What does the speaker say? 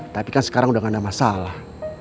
tapi kan sekarang udah gak ada masalah